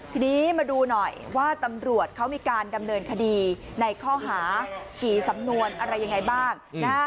ทีนี้มาดูหน่อยว่าตำรวจเขามีการดำเนินคดีในข้อหากี่สำนวนอะไรยังไงบ้าง